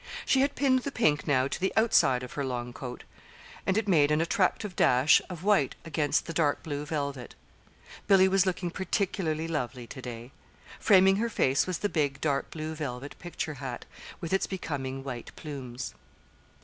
She had pinned the pink now to the outside of her long coat, and it made an attractive dash of white against the dark blue velvet. Billy was looking particularly lovely to day. Framing her face was the big dark blue velvet picture hat with its becoming white plumes.